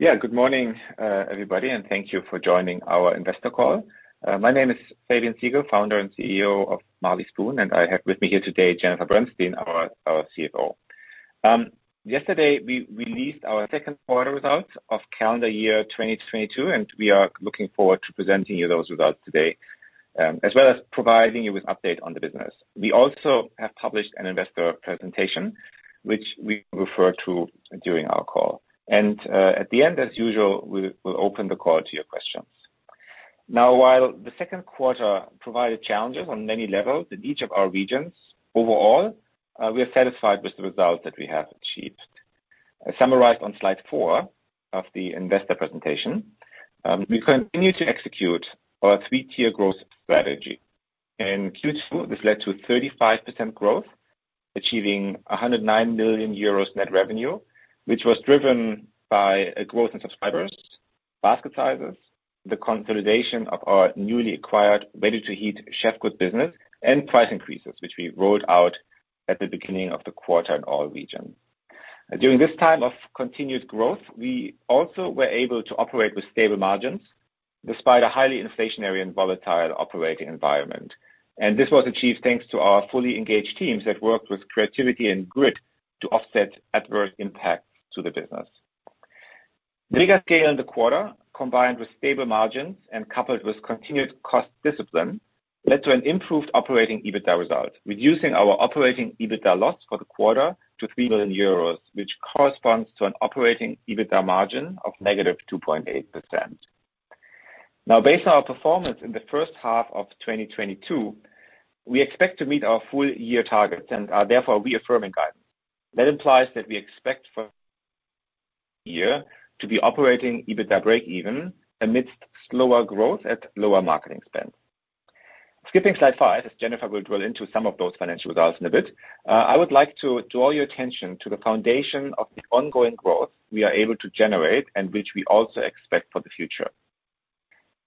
Yeah. Good morning everybody, and thank you for joining our investor call. My name is Fabian Siegel, Founder and CEO of Marley Spoon, and I have with me here today Jennifer Bernstein, our CFO. Yesterday, we released our second quarter results of calendar year 2022, and we are looking forward to presenting you those results today, as well as providing you with update on the business. We also have published an investor presentation which we refer to during our call. At the end, as usual we'll open the call to your questions. Now, while the second quarter provided challenges on many levels in each of our regions, overall, we are satisfied with the results that we have achieved. Summarized on slide 4 of the investor presentation, we continue to execute our three-tier growth strategy. In Q2, this led to 35% growth, achieving 109 million euros net revenue, which was driven by a growth in subscribers, basket sizes, the consolidation of our newly acquired ready-to-heat Chefgood business, and price increases which we rolled out at the beginning of the quarter in all regions. During this time of continued growth, we also were able to operate with stable margins despite a highly inflationary and volatile operating environment. This was achieved thanks to our fully engaged teams that worked with creativity and grit to offset adverse impacts to the business. Bigger scale in the quarter, combined with stable margins and coupled with continued cost discipline, led to an improved operating EBITDA result, reducing our operating EBITDA loss for the quarter to 3 million euros, which corresponds to an operating EBITDA margin of -2.8%. Now based on our performance in the first half of 2022, we expect to meet our full year targets and are therefore reaffirming guidance. That implies that we expect for year to be operating EBITDA breakeven amidst slower growth at lower marketing spend. Skipping slide five, as Jennifer will delve into some of those financial results in a bit, I would like to draw your attention to the foundation of the ongoing growth we are able to generate and which we also expect for the future.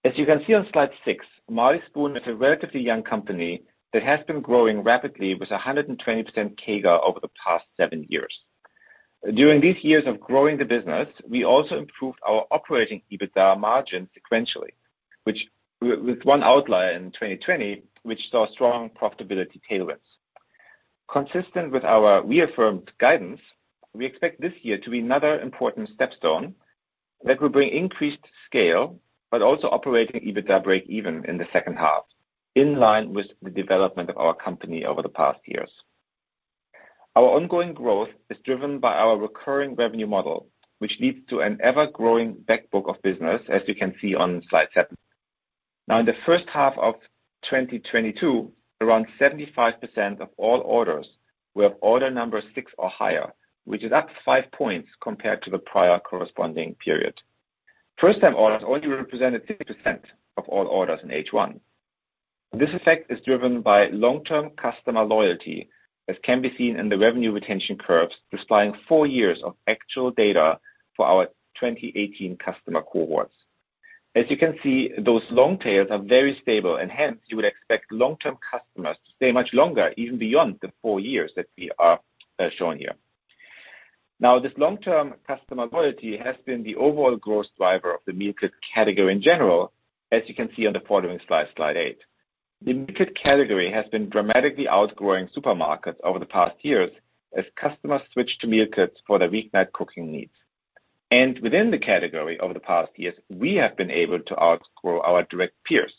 As you can see on slide six, Marley Spoon is a relatively young company that has been growing rapidly with a 120% CAGR over the past 7 years. During these years of growing the business, we also improved our operating EBITDA margin sequentially, which with one outlier in 2020, which saw strong profitability tailwinds. Consistent with our reaffirmed guidance, we expect this year to be another important stepping stone that will bring increased scale but also operating EBITDA breakeven in the second half, in line with the development of our company over the past years. Our ongoing growth is driven by our recurring revenue model, which leads to an ever-growing back book of business, as you can see on slide seven. Now, in the first half of 2022, around 75% of all orders were of order number six or higher, which is up 5 points compared to the prior corresponding period. First-time orders only represented 6% of all orders in H1. This effect is driven by long-term customer loyalty, as can be seen in the revenue retention curves, displaying 4 years of actual data for our 2018 customer cohorts. As you can see, those long tails are very stable, and hence you would expect long-term customers to stay much longer, even beyond the four years that we are showing here. Now, this long-term customer loyalty has been the overall growth driver of the meal kit category in general, as you can see on the following slide eight. The meal kit category has been dramatically outgrowing supermarkets over the past years as customers switch to meal kits for their week night cooking needs. Within the category over the past years, we have been able to outgrow our direct peers.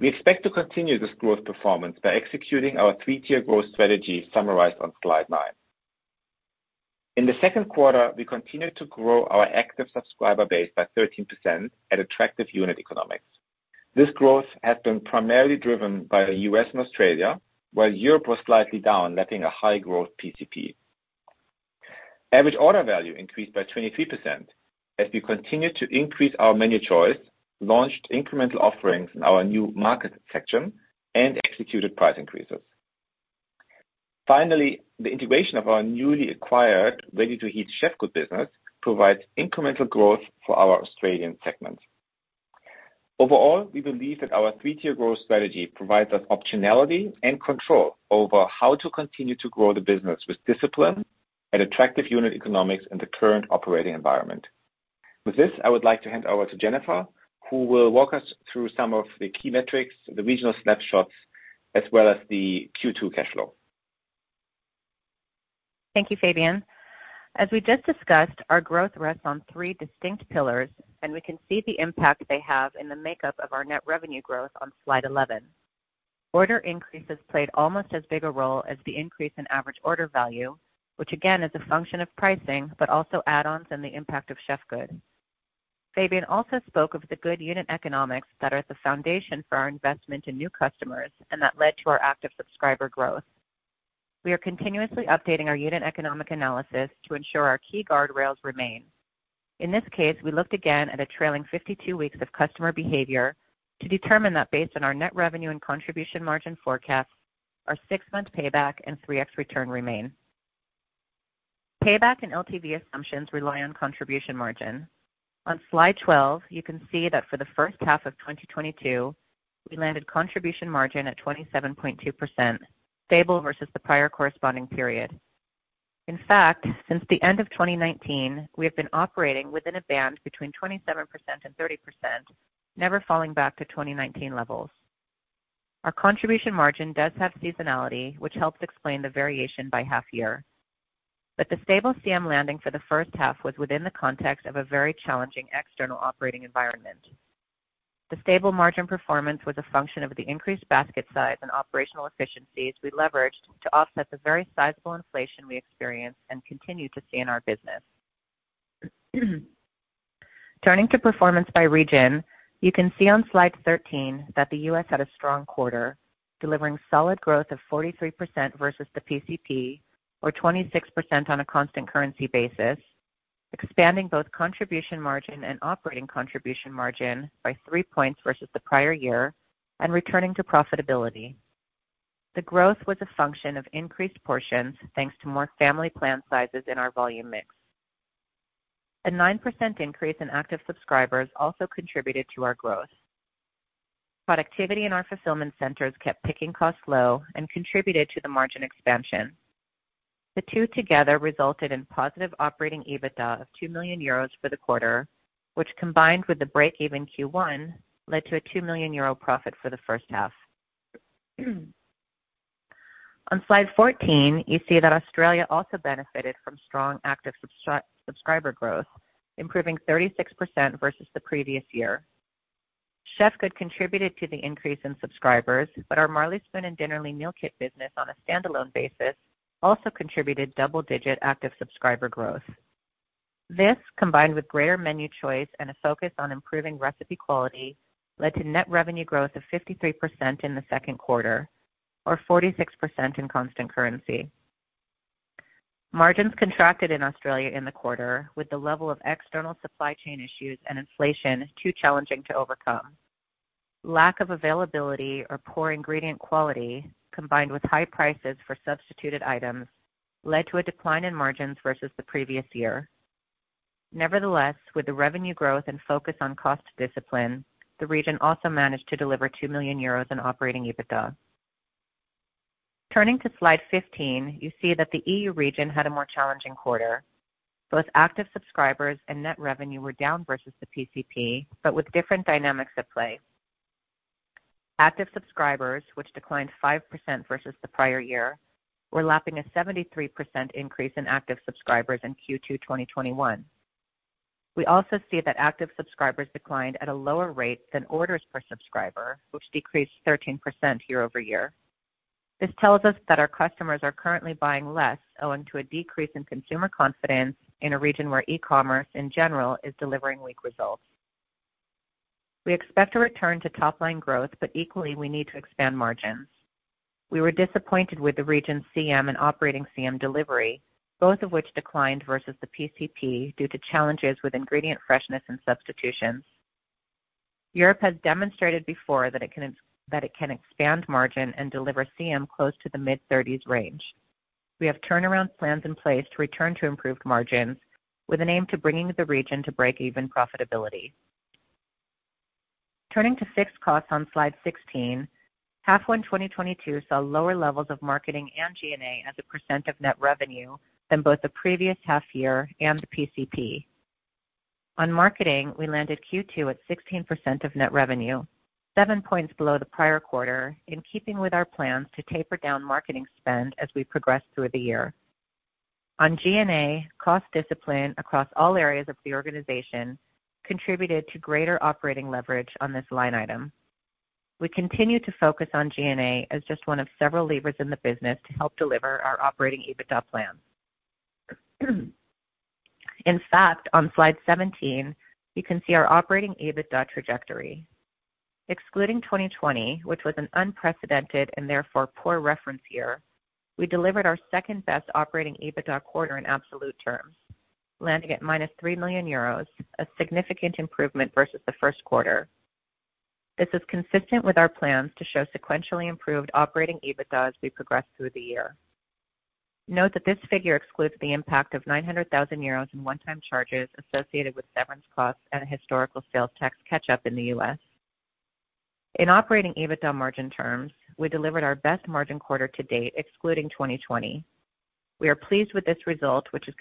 We expect to continue this growth performance by executing our three-tier growth strategy summarized on slide nine. In the second quarter, we continued to grow our active subscriber base by 13% at attractive unit economics. This growth has been primarily driven by the U.S. and Australia, while Europe was slightly down, lapping a high growth PCP. Average order value increased by 23% as we continued to increase our menu choice, launched incremental offerings in our new market section, and executed price increases. Finally, the integration of our newly acquired ready-to-heat Chefgood business provides incremental growth for our Australian segment. Overall, we believe that our three-tier growth strategy provides us optionality and control over how to continue to grow the business with discipline at attractive unit economics in the current operating environment. With this, I would like to hand over to Jennifer who will walk us through some of the key metrics, the regional snapshots, as well as the Q2 cash flow. Thank you, Fabian. As we just discussed, our growth rests on three distinct pillars, and we can see the impact they have in the makeup of our net revenue growth on slide 11. Order increases played almost as big a role as the increase in average order value, which again is a function of pricing, but also add-ons and the impact of Chefgood. Fabian also spoke of the good unit economics that are at the foundation for our investment in new customers and that led to our active subscriber growth. We are continuously updating our unit economics analysis to ensure our key guardrails remain. In this case, we looked again at a trailing 52 weeks of customer behavior to determine that based on our net revenue and contribution margin forecasts, our six-month payback and 3x return remain. Payback and LTV assumptions rely on contribution margin. On slide 12, you can see that for the first half of 2022, we landed contribution margin at 27.2%, stable versus the prior corresponding period. In fact, since the end of 2019, we have been operating within a band between 27% and 30%, never falling back to 2019 levels. Our contribution margin does have seasonality, which helps explain the variation by half year. The stable CM landing for the first half was within the context of a very challenging external operating environment. The stable margin performance was a function of the increased basket size and operational efficiencies we leveraged to offset the very sizable inflation we experienced and continue to see in our business. Turning to performance by region, you can see on slide 13 that the U.S. had a strong quarter, delivering solid growth of 43% versus the PCP, or 26% on a constant currency basis, expanding both contribution margin and operating contribution margin by three points versus the prior year and returning to profitability. The growth was a function of increased portions, thanks to more family plan sizes in our volume mix. A 9% increase in active subscribers also contributed to our growth. Productivity in our fulfillment centers kept picking costs low and contributed to the margin expansion. The two together resulted in positive operating EBITDA of 2 million euros for the quarter, which combined with the break-even Q1, led to a 2 million euro profit for the first half. On slide 14, you see that Australia also benefited from strong active subscriber growth, improving 36% versus the previous year. Chefgood contributed to the increase in subscribers, but our Marley Spoon and Dinnerly meal kit business on a standalone basis also contributed double-digit active subscriber growth. This, combined with greater menu choice and a focus on improving recipe quality, led to net revenue growth of 53% in the second quarter, or 46% in constant currency. Margins contracted in Australia in the quarter with the level of external supply chain issues and inflation too challenging to overcome. Lack of availability or poor ingredient quality, combined with high prices for substituted items, led to a decline in margins versus the previous year. Nevertheless, with the revenue growth and focus on cost discipline, the region also managed to deliver 2 million euros in operating EBITDA. Turning to slide 15, you see that the EU region had a more challenging quarter. Both active subscribers and net revenue were down versus the PCP, but with different dynamics at play. Active subscribers, which declined 5% versus the prior year, were lapping a 73% increase in active subscribers in Q2 2021. We also see that active subscribers declined at a lower rate than orders per subscriber, which decreased 13% year-over-year. This tells us that our customers are currently buying less, owing to a decrease in consumer confidence in a region where e-commerce in general is delivering weak results. We expect to return to top-line growth, but equally we need to expand margins. We were disappointed with the region's CM and operating CM delivery, both of which declined versus the PCP due to challenges with ingredient freshness and substitutions. Europe has demonstrated before that it can expand margin and deliver CM close to the mid-30s range. We have turnaround plans in place to return to improved margins with an aim to bringing the region to break-even profitability. Turning to fixed costs on slide 16, H1 2022 saw lower levels of marketing and G&A as a percent of net revenue than both the previous half year and the PCP. On marketing, we landed Q2 at 16% of net revenue, seven points below the prior quarter, in keeping with our plans to taper down marketing spend as we progress through the year. On G&A, cost discipline across all areas of the organization contributed to greater operating leverage on this line item. We continue to focus on G&A as just one of several levers in the business to help deliver our operating EBITDA plans. In fact, on slide 17, you can see our operating EBITDA trajectory. Excluding 2020, which was an unprecedented and therefore poor reference year, we delivered our second-best operating EBITDA quarter in absolute terms, landing at -3 million euros, a significant improvement versus the first quarter. This is consistent with our plans to show sequentially improved operating EBITDA as we progress through the year. Note that this figure excludes the impact of 900 thousand euros in one-time charges associated with severance costs and a historical sales tax catch up in the U.S. In operating EBITDA margin terms, we delivered our best margin quarter to date excluding 2020. We are pleased with this result, which is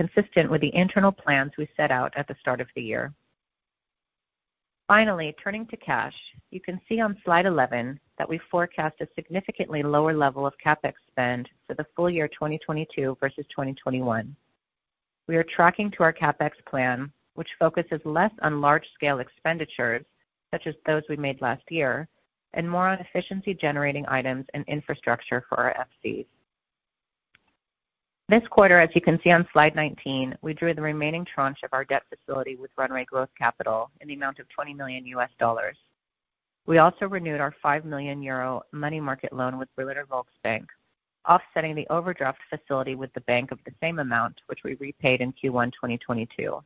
consistent with the internal plans we set out at the start of the year. Finally, turning to cash. You can see on slide 11 that we forecast a significantly lower level of CapEx spend for the full year 2022 versus 2021. We are tracking to our CapEx plan, which focuses less on large-scale expenditures such as those we made last year, and more on efficiency-generating items and infrastructure for our FCs. This quarter, as you can see on slide 19, we drew the remaining tranche of our debt facility with Runway Growth Capital in the amount of $20 million. We also renewed our 5 million euro money market loan with Bremische Volksbank, offsetting the overdraft facility with the bank of the same amount, which we repaid in Q1 2022.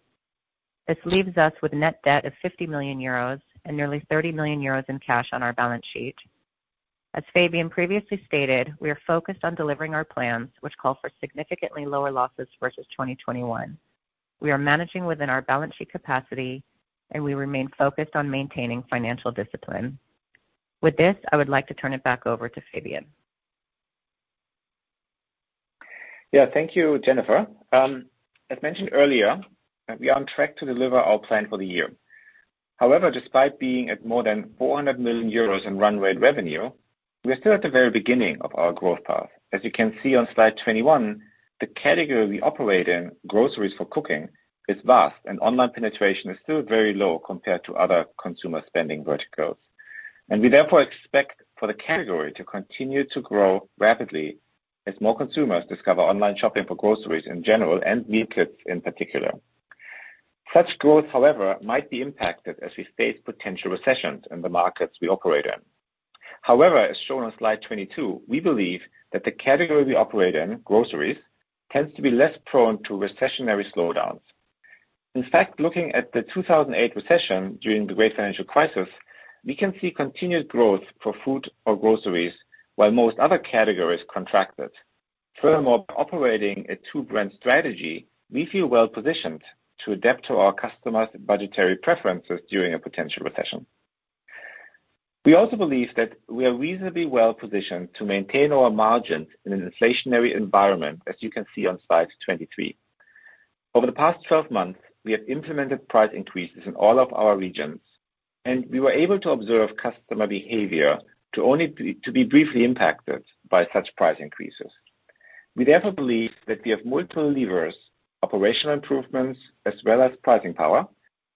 This leaves us with net debt of 50 million euros and nearly 30 million euros in cash on our balance sheet. As Fabian previously stated, we are focused on delivering our plans, which call for significantly lower losses versus 2021. We are managing within our balance sheet capacity and we remain focused on maintaining financial discipline. With this, I would like to turn it back over to Fabian. Yeah. Thank you, Jennifer. As mentioned earlier, we are on track to deliver our plan for the year. However, despite being at more than 400 million euros in run rate revenue, we are still at the very beginning of our growth path. As you can see on slide 21, the category we operate in, groceries for cooking, is vast, and online penetration is still very low compared to other consumer spending verticals. We therefore expect for the category to continue to grow rapidly as more consumers discover online shopping for groceries in general, and meal kits in particular. Such growth, however, might be impacted as we face potential recessions in the markets we operate in. However, as shown on slide 22, we believe that the category we operate in, groceries, tends to be less prone to recessionary slowdowns. In fact, looking at the 2008 recession during the Great Financial Crisis, we can see continued growth for food or groceries while most other categories contracted. Furthermore, operating a two-brand strategy, we feel well positioned to adapt to our customers budgetary preferences during a potential recession. We also believe that we are reasonably well positioned to maintain our margins in an inflationary environment, as you can see on slide 23. Over the past 12 months, we have implemented price increases in all of our regions, and we were able to observe customer behavior to be briefly impacted by such price increases. We therefore believe that we have multiple levers, operational improvements as well as pricing power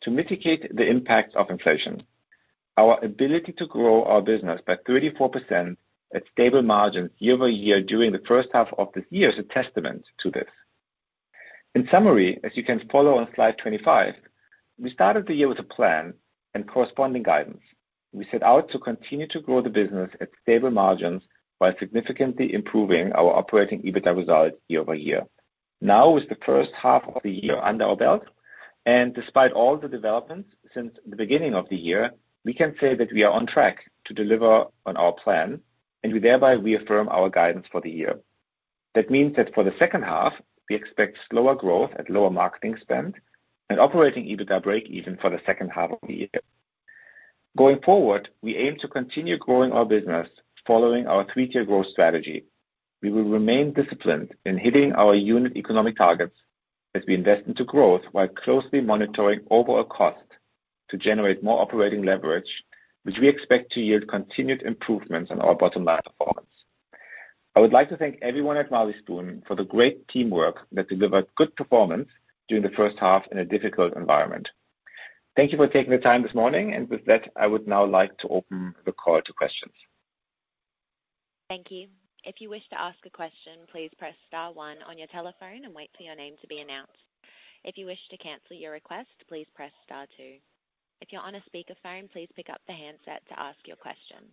to mitigate the impact of inflation. Our ability to grow our business by 34% at stable margins year-over-year during the first half of this year is a testament to this. In summary, as you can follow on slide 25, we started the year with a plan and corresponding guidance. We set out to continue to grow the business at stable margins while significantly improving our operating EBITDA result year-over-year. Now with the first half of the year under our belt, and despite all the developments since the beginning of the year, we can say that we are on track to deliver on our plan and we thereby reaffirm our guidance for the year. That means that for the second half we expect slower growth at lower marketing spend and operating EBITDA break even for the second half of the year. Going forward, we aim to continue growing our business following our three-tier growth strategy. We will remain disciplined in hitting our unit economics targets as we invest into growth while closely monitoring overall cost to generate more operating leverage, which we expect to yield continued improvements on our bottom line performance. I would like to thank everyone at Marley Spoon for the great teamwork that delivered good performance during the first half in a difficult environment. Thank you for taking the time this morning, and with that, I would now like to open the call to questions. Thank you. If you wish to ask a question, please press star one on your telephone and wait for your name to be announced. If you wish to cancel your request, please press star two. If you're on a speakerphone, please pick up the handset to ask your question.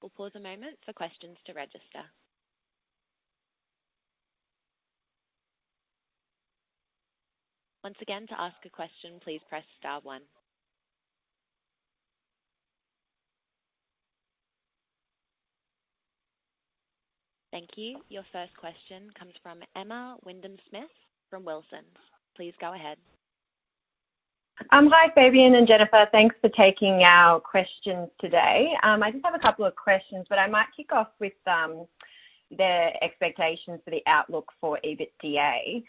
We'll pause a moment for questions to register. Once again, to ask a question, please press star one. Thank you. Your first question comes from Emma Wyndham-Smith from Wilsons. Please go ahead. Hi, Fabian and Jennifer. Thanks for taking our questions today. I just have a couple of questions, but I might kick off with the expectations for the outlook for EBITDA.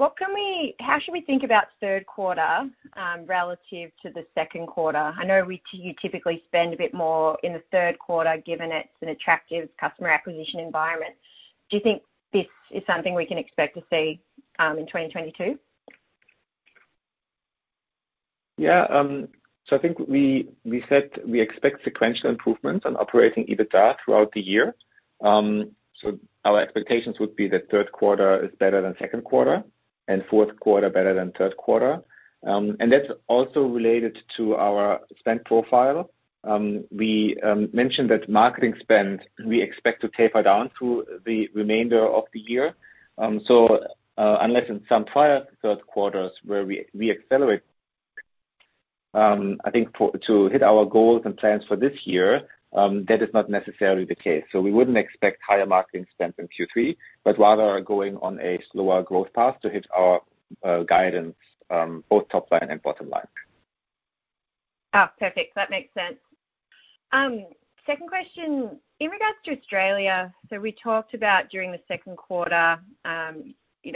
How should we think about third quarter relative to the second quarter? I know you typically spend a bit more in the third quarter, given it's an attractive customer acquisition environment. Do you think this is something we can expect to see in 2022? Yeah. I think we said we expect sequential improvements on operating EBITDA throughout the year. Our expectations would be that third quarter is better than second quarter and fourth quarter better than third quarter. That's also related to our spend profile. We mentioned that marketing spend, we expect to taper down through the remainder of the year. Unless in some prior third quarters where we accelerate, I think to hit our goals and plans for this year, that is not necessarily the case. We wouldn't expect higher marketing spend in Q3, but rather are going on a slower growth path to hit our guidance, both top line and bottom line. Perfect. That makes sense. Second question. In regards to Australia, so we talked about during the second quarter, we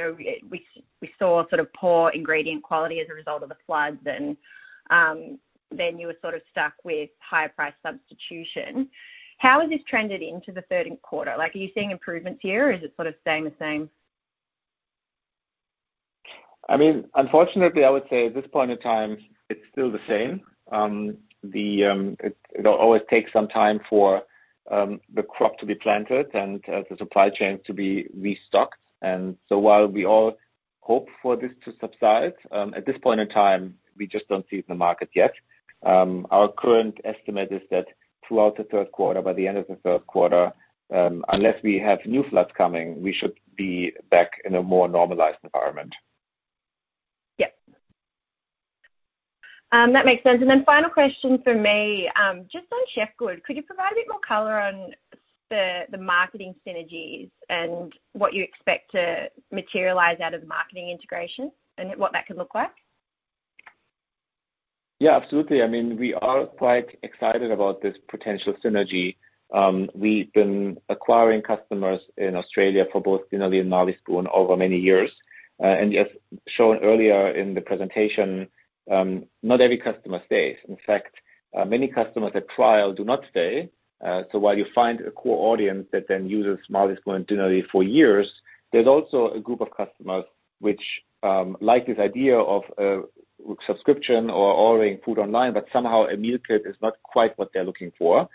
saw sort of poor ingredient quality as a result of the floods and, then you were sort of stuck with higher price substitution. How has this trended into the third quarter? Like, are you seeing improvements here or is it sort of staying the same? I mean unfortunately, I would say at this point in time it's still the same. It'll always take some time for the crop to be planted and the supply chains to be restocked. While we all hope for this to subside, at this point in time, we just don't see it in the market yet. Our current estimate is that throughout the third quarter, by the end of the third quarter, unless we have new floods coming, we should be back in a more normalized environment. Yes. That makes sense. Final question for me, just on Chefgood, could you provide a bit more color on the marketing synergies and what you expect to materialize out of the marketing integration and what that could look like? Yeah, absolutely. I mean we are quite excited about this potential synergy. We've been acquiring customers in Australia for both Dinnerly and Marley Spoon over many years. As shown earlier in the presentation, not every customer stays. In fact, many customers at trial do not stay. While you find a core audience that then uses Marley Spoon and Dinnerly for years, there's also a group of customers which like this idea of a subscription or ordering food online, but somehow a meal kit is not quite what they're looking for.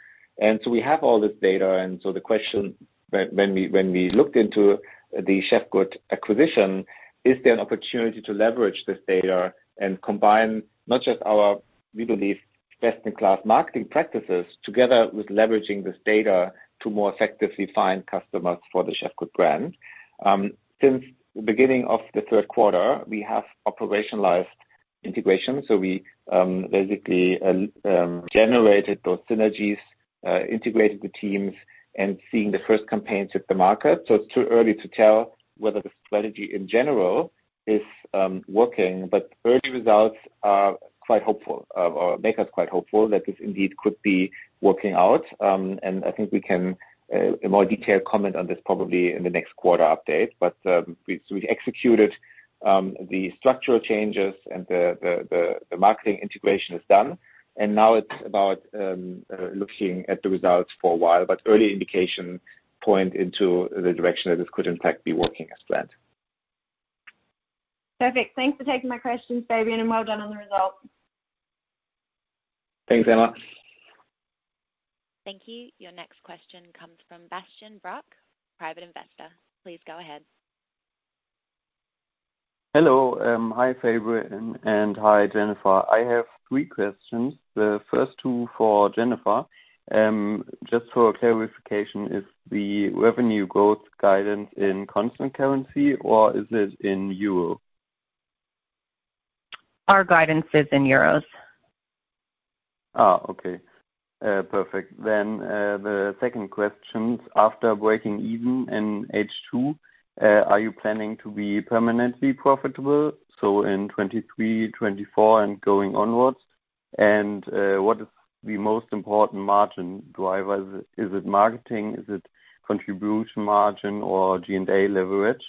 We have all this data and so the question when we looked into the Chefgood acquisition, is there an opportunity to leverage this data and combine not just our, we believe, best-in-class marketing practices together with leveraging this data to more effectively find customers for the Chefgood brand. Since the beginning of the third quarter, we have operationalized integration. We basically generated those synergies, integrated the teams and seeing the first campaigns hit the market. It's too early to tell whether the strategy, in general, is working, but early results are quite hopeful or make us quite hopeful that this indeed could be working out. I think we can in more detailed comment on this probably in the next quarter update. We executed the structural changes and the marketing integration is done, and now it's about looking at the results for a while, but early indications point into the direction that this could in fact be working as planned. Perfect. Thanks for taking my questions Fabian, and well done on the results. Thanks, Emma. Thank you. Your next question comes from Bastian Bruck, Private Investor. Please go ahead. Hello. Hi, Fabian, and hi Jennifer. I have three questions. The first two for Jennifer. Just for clarification, is the revenue growth guidance in constant currency, or is it in euro? Our guidance is in euros. The second question, after breaking even in H2, are you planning to be permanently profitable, so in 2023, 2024, and going onwards? What is the most important margin driver? Is it marketing? Is it contribution margin or G&A leverage?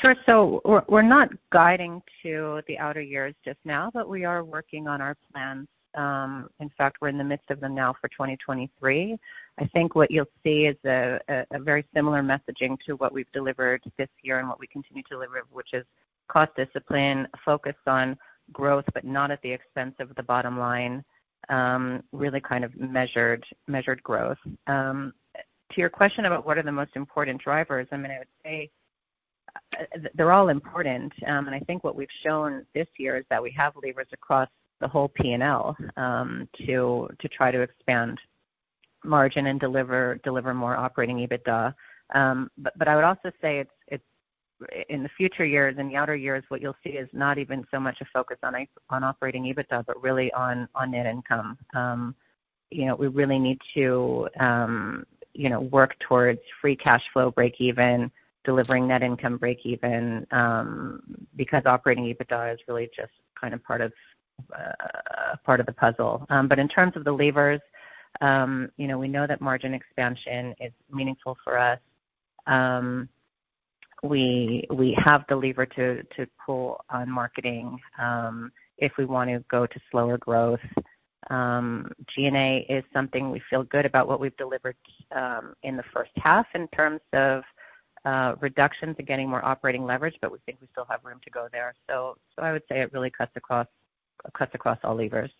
Sure. We're not guiding to the outer years just now, but we are working on our plans. In fact, we're in the midst of them now for 2023. I think what you'll see is a very similar messaging to what we've delivered this year and what we continue to deliver, which is cost discipline, focus on growth, but not at the expense of the bottom line, really kind of measured growth. To your question about what are the most important drivers, I mean I think what we've shown this year is that we have levers across the whole P&L, to try to expand margin and deliver more operating EBITDA. I would also say it's in the future years, in the outer years, what you'll see is not even so much a focus on operating EBITDA, but really on net income. You know, we really need to work towards free cash flow breakeven, delivering net income breakeven, because operating EBITDA is really just kind of part of the puzzle. In terms of the levers, you know, we know that margin expansion is meaningful for us. We have the lever to pull on marketing, if we want to go to slower growth. G&A is something we feel good about what we've delivered in the first half in terms of reduction to getting more operating leverage, but we think we still have room to go there. I would say it really cuts across all levers.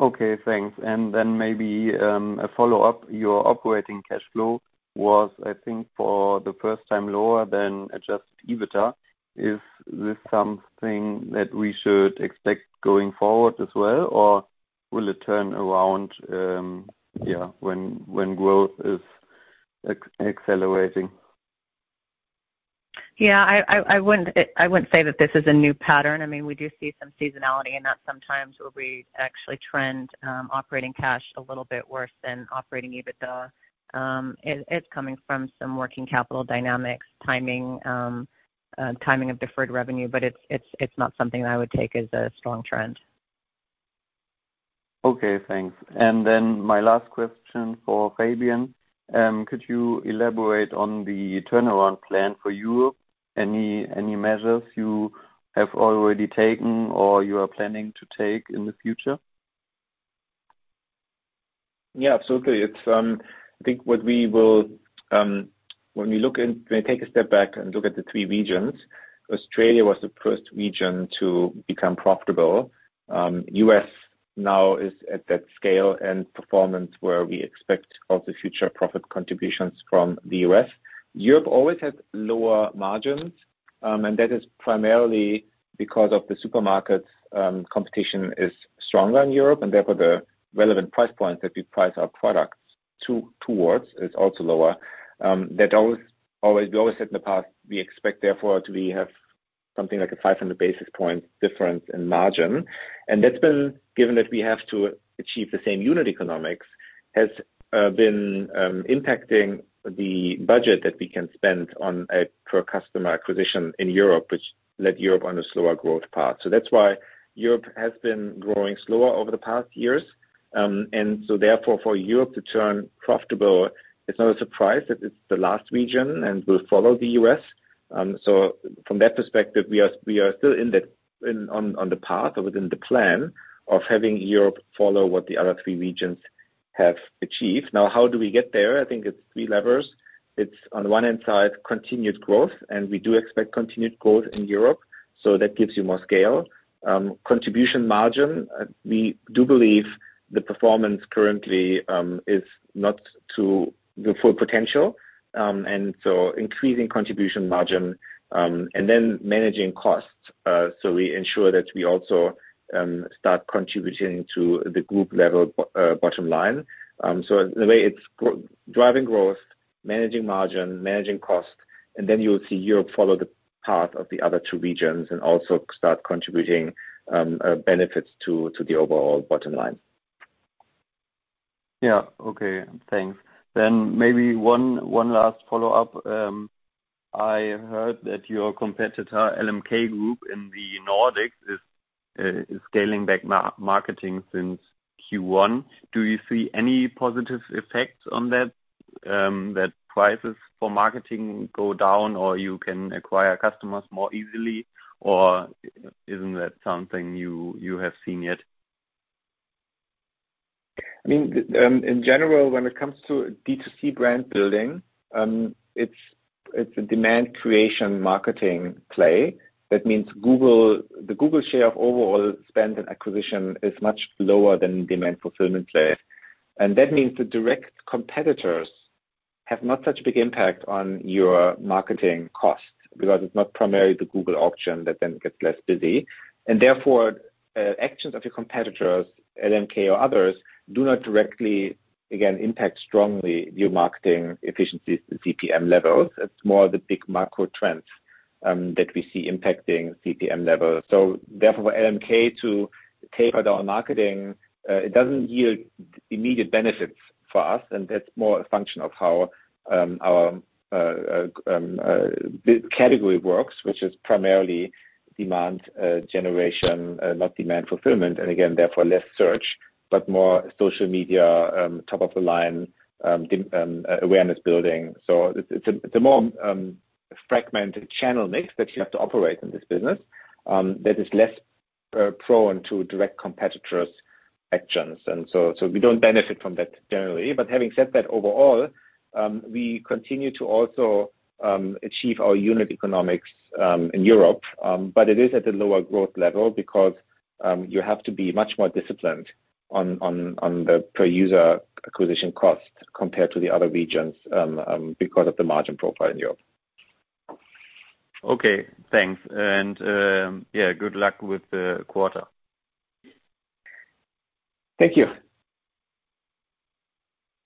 Okay, thanks. Maybe a follow-up. Your operating cash flow was, I think for the first time, lower than adjusted EBITDA. Is this something that we should expect going forward as well, or will it turn around when growth is accelerating? Yeah. I wouldn't say that this is a new pattern. I mean, we do see some seasonality, and that's sometimes where we actually trend operating cash a little bit worse than operating EBITDA. It's coming from some working capital dynamics, timing of deferred revenue, but it's not something that I would take as a strong trend. Okay, thanks. My last question for Fabian, could you elaborate on the turnaround plan for Europe? Any measures you have already taken or you are planning to take in the future? Yeah, absolutely. When we take a step back and look at the three regions, Australia was the first region to become profitable. US now is at that scale and performance where we expect all the future profit contributions from the U.S. Europe always had lower margins and that is primarily because of the supermarkets. Competition is stronger in Europe and therefore the relevant price points that we price our products towards, it's also lower. We always said in the past, we expect therefore to have something like a 500 basis points difference in margin. That's been, given that we have to achieve the same unit economics has been impacting the budget that we can spend on a per customer acquisition in Europe, which led Europe on a slower growth path. That's why Europe has been growing slower over the past years. Therefore for Europe to turn profitable, it's not a surprise that it's the last region and will follow the U.S. From that perspective, we are still on the path or within the plan of having Europe follow what the other three regions have achieved. Now, how do we get there? I think it's three levers. It's on one hand side, continued growth, and we do expect continued growth in Europe, so that gives you more scale. Contribution margin, we do believe the performance currently is not to the full potential, and so increasing contribution margin, and then managing costs, so we ensure that we also start contributing to the group level bottom line. The way it's driving growth, managing margin, managing costs, and then you'll see Europe follow the path of the other two regions and also start contributing benefits to the overall bottom line. Yeah. Okay. Thanks. Maybe one last follow-up. I heard that your competitor, LMK Group in the Nordics, is scaling back marketing since Q1. Do you see any positive effects on that the prices for marketing go down or you can acquire customers more easily? Or isn't that something you have seen yet? I mean in general, when it comes to D2C brand building, it's a demand creation marketing play. That means Google, the Google share of overall spend and acquisition is much lower than demand fulfillment play. That means the direct competitors have not such big impact on your marketing costs because it's not primarily the Google auction that then gets less busy. Therefore, actions of your competitors, LMK or others, do not directly, again, impact strongly your marketing efficiencies to CPM levels. It's more the big macro trends that we see impacting CPM levels. Therefore, for LMK to taper down marketing, it doesn't yield immediate benefits for us, and that's more a function of how the category works, which is primarily demand generation, not demand fulfillment, and again, therefore, less search, but more social media, top-of-funnel awareness building. It's a more fragmented channel mix that you have to operate in this business, that is less prone to direct competitors' actions. We don't benefit from that generally. Having said that, overall we continue to also achieve our unit economics in Europe, but it is at a lower growth level because you have to be much more disciplined on the per user acquisition cost compared to the other regions because of the margin profile in Europe. Okay, thanks. Yeah, good luck with the quarter. Thank you.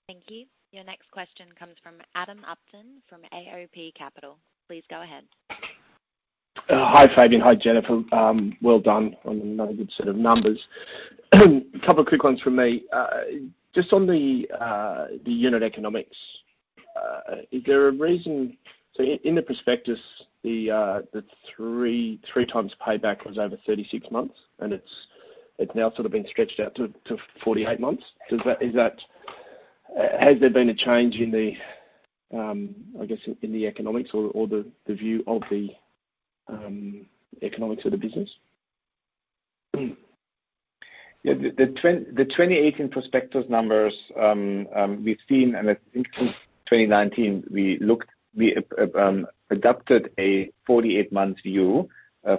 Thank you. Your next question comes from Adam Upton from AOP Capital. Please go ahead. Hi, Fabian. Hi, Jennifer. Well done on another good set of numbers. A couple of quick ones from me. Just on the unit economics, is there a reason in the prospectus the three times payback was over 36 months, and it's now sort of been stretched out to 48 months. Has there been a change in, I guess, the economics or the view of the economics of the business? Yeah. The 2018 prospectus numbers we've seen and I think since 2019, we adopted a 48-month view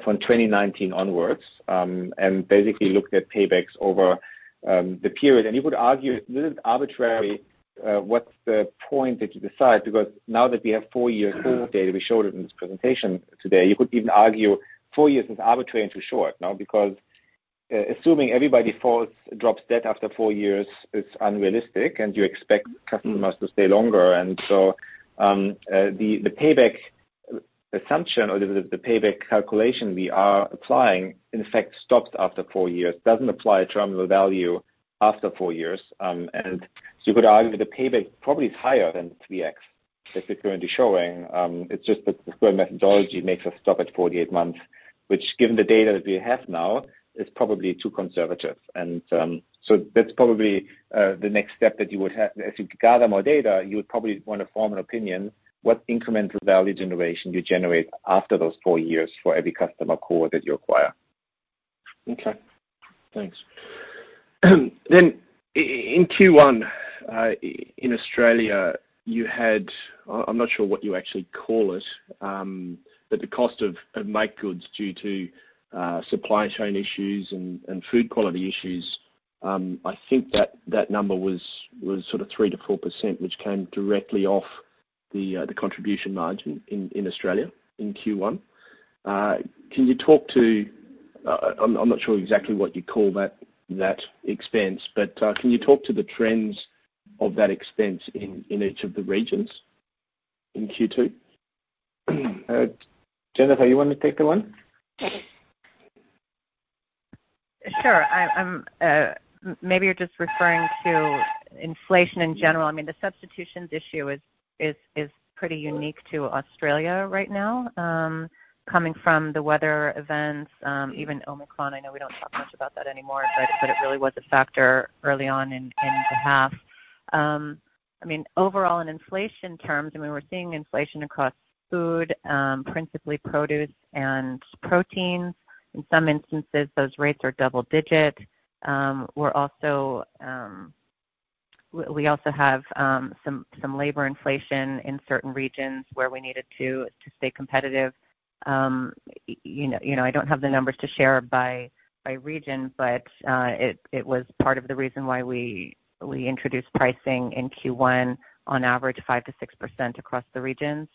from 2019 onwards, and basically looked at paybacks over the period. You could argue this is arbitrary, what's the point that you decide, because now that we have 4 years' worth of data, we showed it in this presentation today, you could even argue 4 years is arbitrary and too short now because assuming everybody drops dead after 4 years is unrealistic and you expect customers to stay longer. The payback assumption or the payback calculation we are applying, in effect, stops after 4 years, doesn't apply terminal value after 4 years. You could argue the payback probably is higher than 3x that we're currently showing. It's just that the standard methodology makes us stop at 48 months, which given the data that we have now, is probably too conservative. That's probably the next step that you would have. As you gather more data, you would probably wanna form an opinion, what incremental value generation you generate after those 4 years for every customer cohort that you acquire. Okay. Thanks. In Q1 in Australia you had, I'm not sure what you actually call it, but the cost of make goods due to supply chain issues and food quality issues. I think that number was sort of 3%-4%, which came directly off the contribution margin in Australia in Q1. Can you talk to, I'm not sure exactly what you call that expense, but the trends of that expense in each of the regions in Q2? Jennifer, you wanna take that one? Sure. Maybe you're just referring to inflation in general. I mean the substitutions issue is pretty unique to Australia right now, coming from the weather events, even Omicron. I know we don't talk much about that anymore, but it really was a factor early on in the half. I mean, overall in inflation terms, I mean, we're seeing inflation across food, principally produce and protein. In some instances, those rates are double-digit. We're also have some labor inflation in certain regions where we needed to stay competitive. You know, I don't have the numbers to share by region, but it was part of the reason why we introduced pricing in Q1 on average 5%-6% across the regions.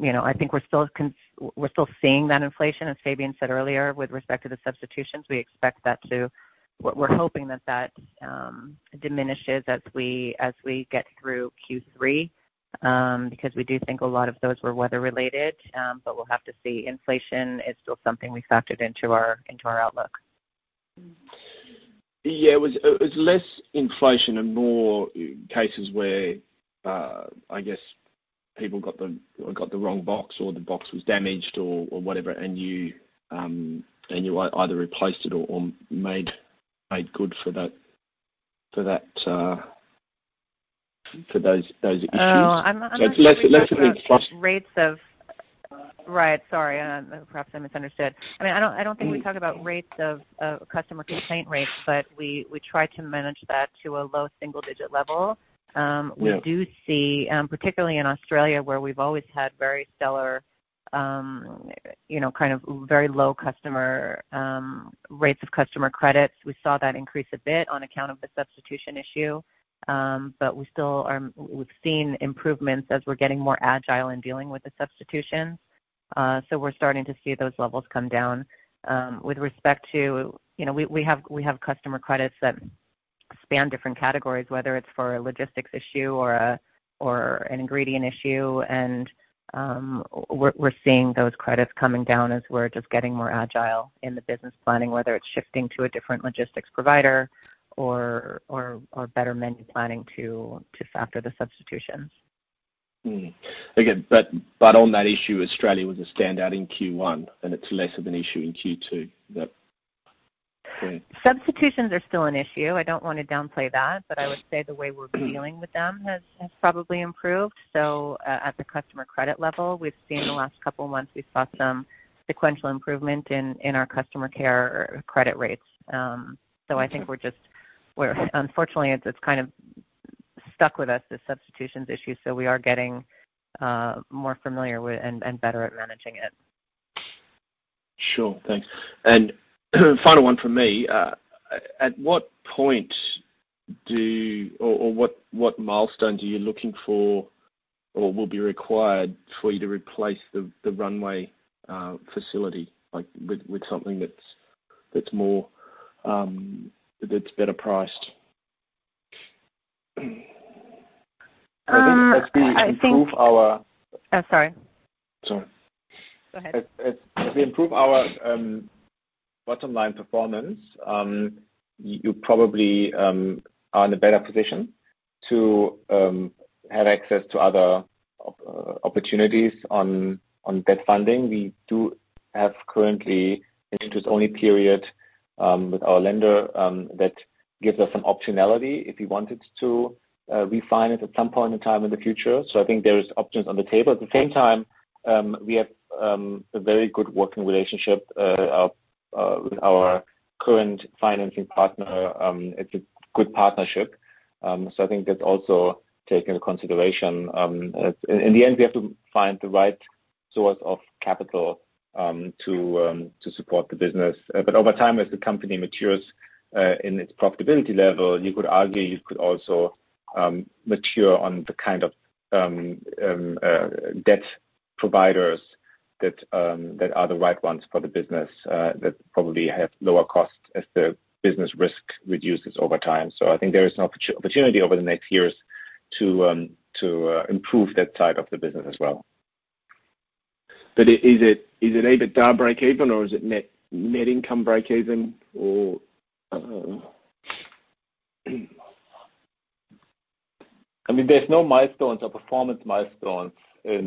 You know I think we're still seeing that inflation, as Fabian said earlier, with respect to the substitutions. We're hoping that diminishes as we get through Q3, because we do think a lot of those were weather-related, but we'll have to see. Inflation is still something we factored into our outlook. Yeah. It was less inflation and more cases where, I guess, people got the wrong box or the box was damaged or whatever, and you either replaced it or made good for that for those issues. Oh, I'm not sure we talk about - It's less about trust. Right, sorry. Perhaps I misunderstood. I mean, I don't think we talk about rates of customer complaint rates, but we try to manage that to a low single digit level. Yeah. We do see, particularly in Australia where we've always had very stellar, you know, kind of very low customer rates of customer credits. We saw that increase a bit on account of the substitution issue. We've seen improvements as we're getting more agile in dealing with the substitutions. We're starting to see those levels come down. With respect to, you know, we have customer credits that span different categories, whether it's for a logistics issue or an ingredient issue. We're seeing those credits coming down as we're just getting more agile in the business planning, whether it's shifting to a different logistics provider or better menu planning to factor the substitutions. Again, but on that issue, Australia was a standout in Q1, and it's less of an issue in Q2. Is that fair? Substitutions are still an issue. I don't wanna downplay that, but I would say the way we're dealing with them has probably improved. At the customer credit level, we've seen the last couple months some sequential improvement in our customer credit rates. I think unfortunately it's kind of stuck with us, the substitutions issue, so we are getting more familiar with and better at managing it. Sure. Thanks. Final one from me. At what point do you or what milestone do you looking for or will be required for you to replace the Runway facility like with something that's more that's better priced? I think - Oh, sorry. Sorry. Go ahead. As we improve our bottom-line performance, you probably are in a better position to have access to other opportunities on debt funding. We do have currently interest-only period with our lender that gives us some optionality if we wanted to refine it at some point in time in the future. I think there is options on the table. At the same time, we have a very good working relationship with our current financing partner. It's a good partnership. I think that's also taken into consideration. In the end, we have to find the right source of capital to support the business. Over time, as the company matures in its profitability level, you could argue you could also mature on the kind of debt providers that are the right ones for the business, that probably have lower costs as the business risk reduces over time. I think there is an opportunity over the next years to improve that side of the business as well. Is it EBITDA breakeven or is it net income breakeven? I mean, there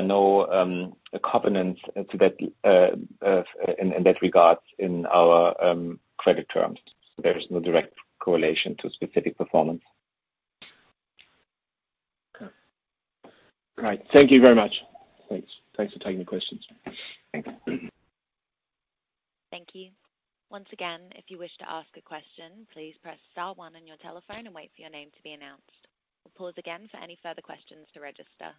are no covenants to that in that regards in our credit terms. There is no direct correlation to specific performance. Okay. All right. Thank you very much. Thanks. Thanks for taking the questions. Thanks. Thank you. Once again, if you wish to ask a question, please press star one on your telephone and wait for your name to be announced. We'll pause again for any further questions to register.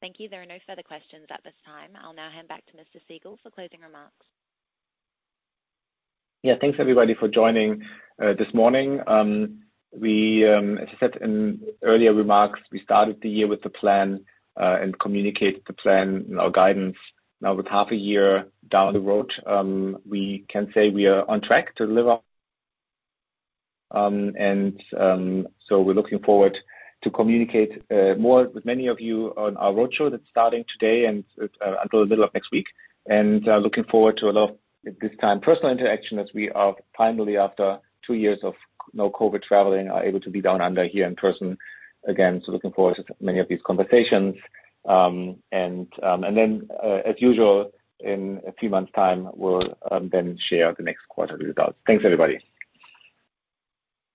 Thank you. There are no further questions at this time. I'll now hand back to Mr. Siegel for closing remarks. Yeah. Thanks everybody for joining this morning. As I said in earlier remarks, we started the year with a plan and communicated the plan in our guidance. Now with half a year down the road, we can say we are on track to deliver. We're looking forward to communicate more with many of you on our roadshow that's starting today and until the middle of next week. Looking forward to a lot of, at this time, personal interaction as we are finally after two years of no COVID traveling are able to be down under here in person again. Looking forward to many of these conversations. As usual, in a few months time, we'll then share the next quarter results. Thanks, everybody.